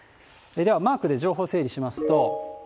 ではマークで情報整理しますと。